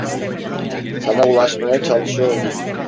Sana ulaşmaya çalışıyordum.